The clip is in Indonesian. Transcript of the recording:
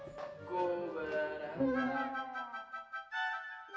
kamu kalau marah sangat cantik